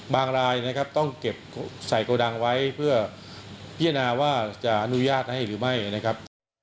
รายนะครับต้องเก็บใส่โกดังไว้เพื่อพิจารณาว่าจะอนุญาตให้หรือไม่นะครับ